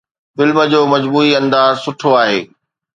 film جو مجموعي انداز سٺو آهي